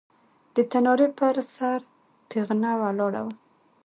د تنارې پر سر تېغنه ولاړه وه.